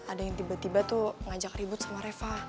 ada yang tiba tiba tuh ngajak ribut sama reva